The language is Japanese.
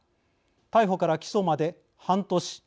逮捕から起訴まで半年。